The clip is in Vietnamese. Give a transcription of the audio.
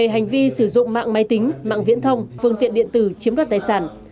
về hành vi sử dụng mạng máy tính mạng viễn thông phương tiện điện tử chiếm đoạt tài sản